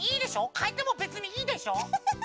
かえてもべつにいいでしょ？